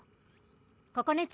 ここね